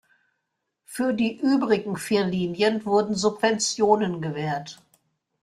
Für die übrigen vier Linien wurden Subventionen gewährt.